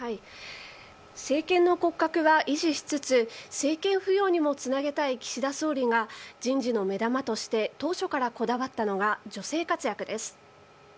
政権の骨格は維持しつつ政権浮揚にもつなげたい岸田総理が人事の目玉として当初からこだわったのが女性活躍です。